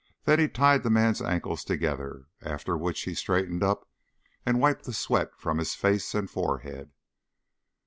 Then he tied the man's ankles together, after which he straightened up and wiped the sweat from his face and forehead.